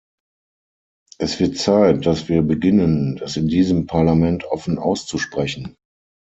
Es wird Zeit, dass wir beginnen, das in diesem Parlament offen auszusprechen.